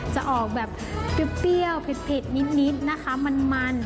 จะออกแบบเปรี้ยวเผ็ดนิดนะคะมัน